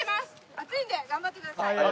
暑いので頑張ってください！